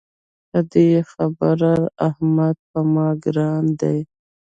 په دې خبره احمد پر ما ګران دی.